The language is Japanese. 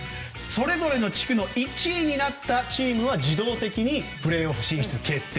それぞれの地区の１位になったチームは自動的にプレーオフ進出決定。